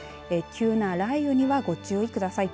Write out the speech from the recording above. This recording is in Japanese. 急な雷雨にはご注意ください。